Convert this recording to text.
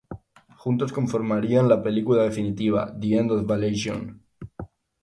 Juntos conformarían la película definitiva, "The End of Evangelion".